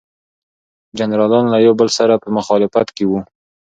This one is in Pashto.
جنرالان له یو بل سره په مخالفت کې وو.